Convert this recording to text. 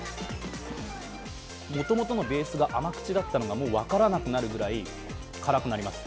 もともとのベースが甘口だったのがもう分からなくなるぐらい辛くなります。